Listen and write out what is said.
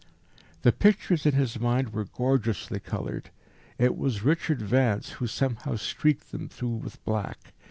The pictures in his mind were gorgeously coloured. It was Richard Vance who somehow streaked them through with black.